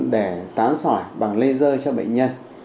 để tán sỏi bằng laser cho bệnh nhân